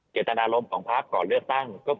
เจตนารมณ์ของพักก่อนเลือกตั้ง